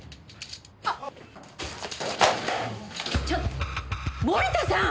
ちょっと森田さん！